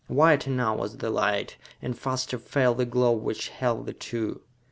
Whiter now was the light, and faster fell the globe which held the two.